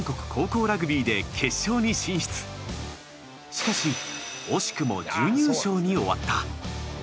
しかし惜しくも準優勝に終わった。